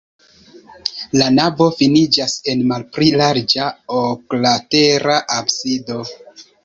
La navo finiĝas en malpli larĝa oklatera absido.